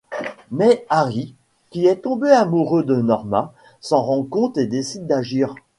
Mais Harry, qui est tombé amoureux de Norma, s'en rend compte et décide d'agir.